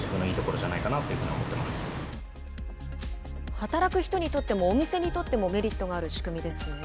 働く人にとっても、お店にとってもメリットがある仕組みですよね。